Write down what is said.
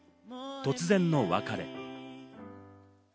突然の別れ。